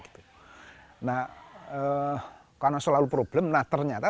karena selalu problem nah ternyata